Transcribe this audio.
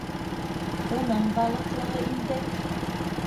—Уның балыҡлығы инде!